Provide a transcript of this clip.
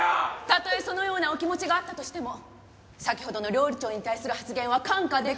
たとえそのようなお気持ちがあったとしても先ほどの料理長に対する発言は看過できるものではありません。